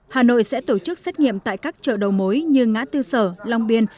hà nội sẽ tổ chức xét nghiệm tại các chợ đầu mối như ngã tư sở long biên